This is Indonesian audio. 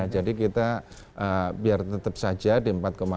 jadi kita biar tetap saja di empat delapan